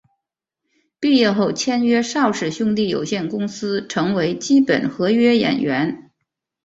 毕业后签约邵氏兄弟有限公司成为基本合约演员。